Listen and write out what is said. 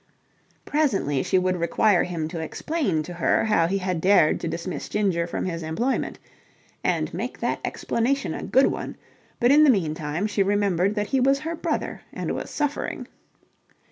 Presently she would require him to explain to her how he had dared to dismiss Ginger from his employment and make that explanation a good one: but in the meantime she remembered that he was her brother and was suffering.